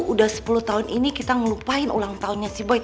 udah sepuluh tahun ini kita ngelupain ulang tahunnya si boid